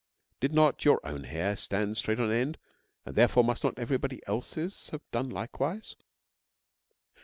(Did not your own hair stand straight on end, and, therefore, must not everybody else's have done likewise?)